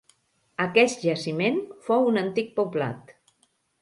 Aquest jaciment fou un antic poblat.